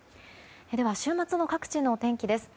週末の各地の天気です。